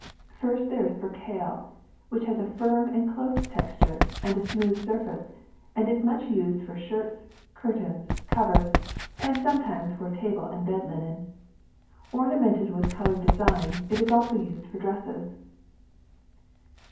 First there is percale, which has a firm and close texture and a smooth sur face, and is much used for shirts, curtains, covers, and sometimes for table and bed linen. Ornamented with colored designs, it is also used for dresses.